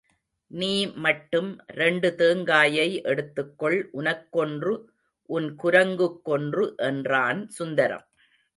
நீ மட்டும் ரெண்டு தேங்காயை எடுத்துக்கொள் உனக்கொன்று, உன் குரங்குக்கொன்று என்றான் சுந்தரம்.